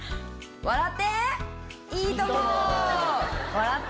笑って。